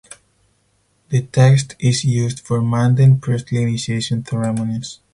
The text is used for Mandaean priestly initiation ceremonies.